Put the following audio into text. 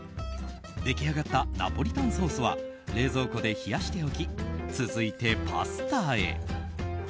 出来上がったナポリタンソースは冷蔵庫で冷やしておき続いて、パスタへ。